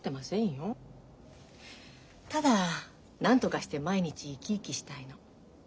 ただなんとかして毎日生き生きしたいの。